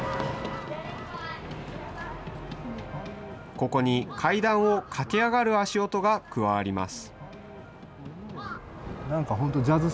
ここに階段を駆け上がる足音が加わります。